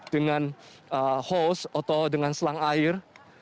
dengan host atau dengan selang air